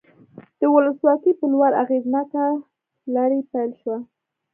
د ولسواکۍ په لور اغېزناکه لړۍ پیل شوه.